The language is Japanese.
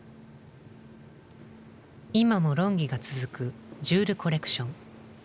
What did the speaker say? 今も論議が続くジュール・コレクション。